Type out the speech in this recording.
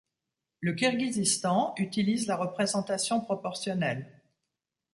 Le Kirghizistan utilise la représentation proportionnelle.